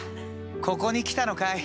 ここに来たのかい？